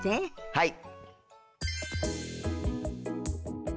はい。